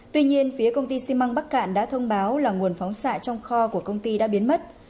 tuy nhiên phía công ty xi măng bắc cạn đã thông báo là nguồn phóng xạ trong kho của công ty đã biến mất